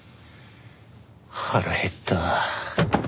腹減った。